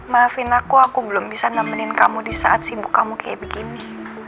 maafin aku aku belum bisa nemenin kamu di saat sibuk kamu kayak begini